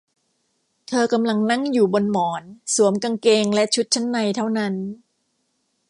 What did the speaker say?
เธอกำลังนั่งอยู่บนหมอนสวมกางเกงและชุดชั้นในเท่านั้น